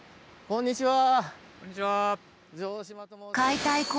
こんにちは。